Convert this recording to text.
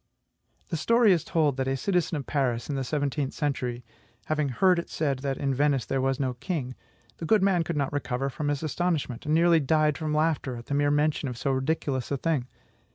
The story is told, that a citizen of Paris in the seventeenth century having heard it said that in Venice there was no king, the good man could not recover from his astonishment, and nearly died from laughter at the mere mention of so ridiculous a thing.